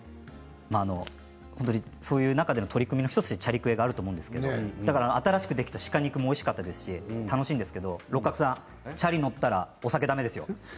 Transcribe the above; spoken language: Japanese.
そういう中での取り組みの１つにチャリクエがあると思うんですけど新しくできたし鹿肉はおいしかったですし楽しかったんですけど六角さんチャリに乗ったらお酒はだめですよ。